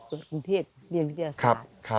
กรุงเทพเรียนวิทยาศาสตร์